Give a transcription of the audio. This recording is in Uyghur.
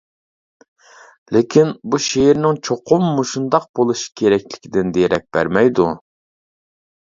لېكىن بۇ شېئىرنىڭ چوقۇم مۇشۇنداق بولۇشى كېرەكلىكىدىن دېرەك بەرمەيدۇ.